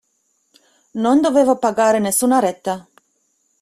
Non dovevo pagare nessuna retta.